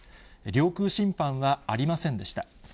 領空侵犯はありませんでした。